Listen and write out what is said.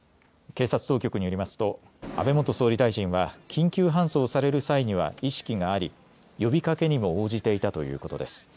警察当局によりますと安倍元総理大臣は緊急搬送される際には意識があり、呼びかけにも応じていたということです。